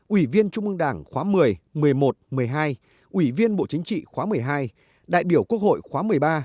ủy viên trung ương đảng khóa một mươi một mươi một một mươi hai ủy viên bộ chính trị khóa một mươi hai đại biểu quốc hội khóa một mươi ba